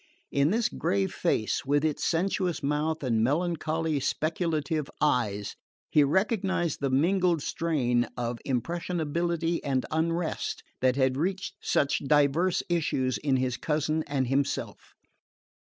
In this grave face, with its sensuous mouth and melancholy speculative eyes, he recognised the mingled strain of impressionability and unrest that had reached such diverse issues in his cousin and himself.